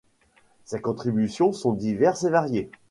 Ces contributions sont diverses et variées.